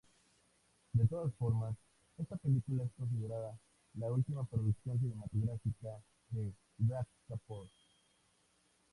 De todas formas, esta película es considerada la última producción cinematográfica de Raj Kapoor.